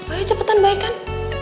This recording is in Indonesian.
ayo cepetan baikkan